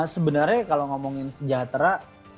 sebenarnya kalau ngomongin sejahtera